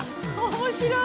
面白い。